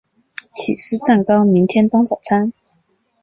起司蛋糕明天当早餐